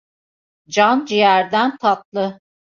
Can ciğerden tatlı.